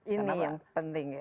ini yang penting ya